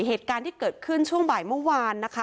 เหตุการณ์ที่เกิดขึ้นช่วงบ่ายเมื่อวานนะคะ